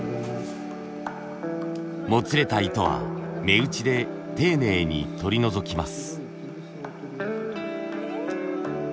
もつれた糸は目打ちで丁寧に取り除きます。